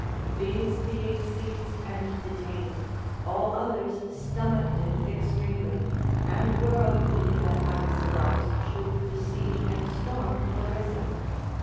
These being seized and detained, all others stomached it extreme ly, and were of opinion that Agesilaus should besiege and storm Larissa.